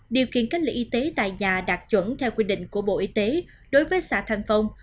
điều kiện cách ly y tế tại nhà đạt chuẩn theo quy định của bộ y tế đối với xã thành phong